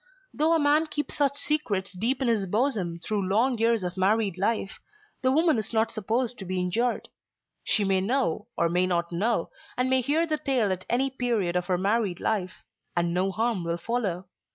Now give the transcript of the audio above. Though a man keep such secrets deep in his bosom through long years of married life, the woman is not supposed to be injured. She may know, or may not know, and may hear the tale at any period of her married life, and no harm will follow.